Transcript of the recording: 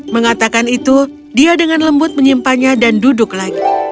mengatakan itu dia dengan lembut menyimpannya dan duduk lagi